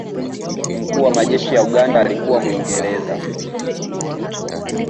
mkuu wa majeshi ya uganda alikuwa mwingereza